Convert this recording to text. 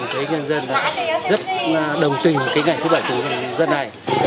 thấy nhân dân rất đồng tình với ngày thứ bảy cùng dân này